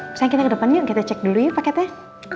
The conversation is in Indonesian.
misalnya kita ke depan yuk kita cek dulu yuk paketnya